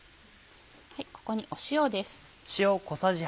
ここに塩です。